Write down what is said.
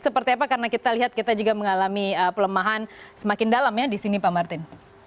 seperti apa karena kita lihat kita juga mengalami pelemahan semakin dalam ya di sini pak martin